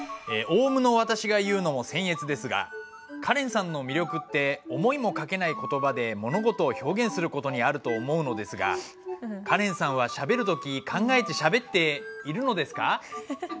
オウムの私が言うのもせん越ですがカレンさんの魅力って思いもかけない言葉で物事を表現する事にあると思うのですがカレンさんはしゃべる時考えてしゃべっているのですか？